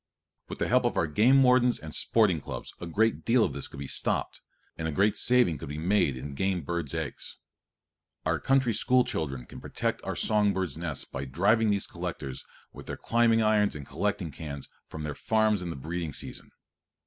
With the help of our game wardens and sporting clubs a great deal of this could be stopped, and a great saving could be made in game birds' eggs. Our country school children can protect our song birds' nests by driving these collectors, with their climbing irons and collecting cans, from their farms in the breeding season.